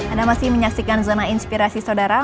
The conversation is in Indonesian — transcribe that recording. anda masih menyaksikan zona inspirasi saudara